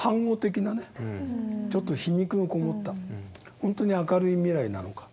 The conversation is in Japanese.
ほんとに「明るい未来」なのか。